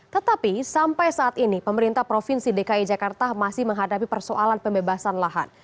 tetapi sampai saat ini pemerintah provinsi dki jakarta masih menghadapi persoalan pembebasan lahan